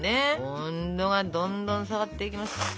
温度がどんどん下がっていきます。